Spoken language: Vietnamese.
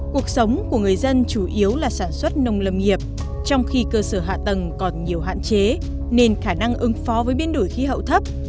cuộc sống của người dân chủ yếu là sản xuất nông lâm nghiệp trong khi cơ sở hạ tầng còn nhiều hạn chế nên khả năng ứng phó với biến đổi khí hậu thấp